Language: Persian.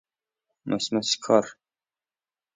مس مس کار